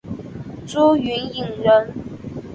朱云影人。